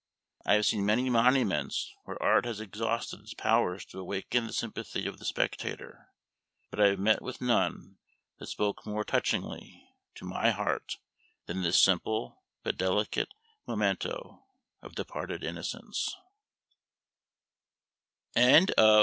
I have seen many monuments where art has exhausted its powers to awaken the sympathy of the spectator, but I have met with none that spoke more touchingly to my heart than this simple but delicate memento of departed innocence. THE ANGLER.